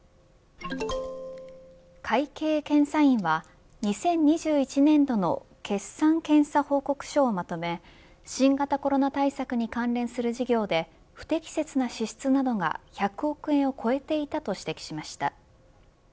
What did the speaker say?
会計検査院は２０２１年度の決算検査報告書をまとめ新型コロナ対策に関連する事業で不適切な支出などが１００億円を超えていたと指摘しました。